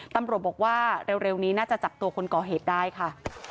ตำรวจบอกว่าเร็วนี้น่าจะจับตัวคนก่อเหตุได้ค่ะ